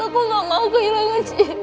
aku gak mau kehilangan ci